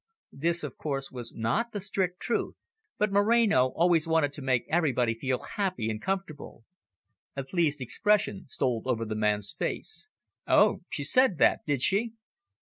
This, of course, was not the strict truth, but Moreno always wanted to make everybody feel happy and comfortable. A pleased expression stole over the man's face. "Oh, she said that, did she?"